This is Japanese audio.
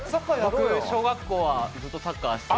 僕、小学校はずっとサッカーしてた。